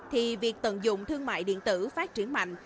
thì việc tận dụng thương mại điện tử phát triển mạnh